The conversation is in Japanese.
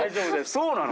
そうなの？